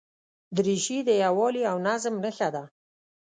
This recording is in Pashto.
دریشي د یووالي او نظم نښه ده.